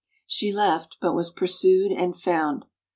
She left, but was pursued and found.